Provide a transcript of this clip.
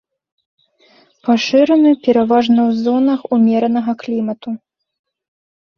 Пашыраны пераважна ў зонах умеранага клімату.